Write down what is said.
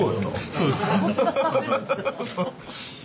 そうですね。